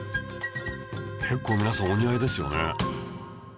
結構皆さんお似合いですよね